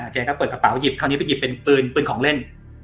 แกก็เปิดกระเป๋าหยิบคราวนี้ไปหยิบเป็นปืนของเล่น